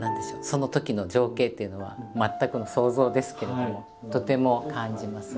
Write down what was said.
そのときの情景っていうのは全くの想像ですけれどもとても感じます。